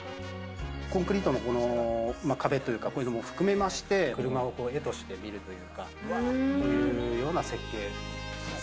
コンクリートの壁というか、こういうのも含めて車を絵として見るというか、そういうような設計。